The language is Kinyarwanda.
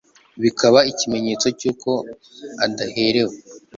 bikaba ikimenyetso cy'uko adaherewe